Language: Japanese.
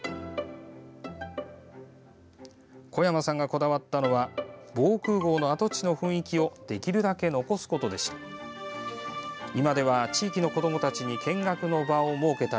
小山さんがこだわったのは防空壕の跡地の雰囲気をできるだけ残すことでした。